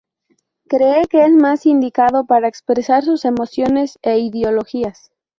Cree que es lo más indicado para expresar sus emociones e ideologías.